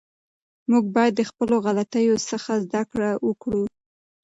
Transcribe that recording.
موږ باید د خپلو غلطیو څخه زده کړه وکړو.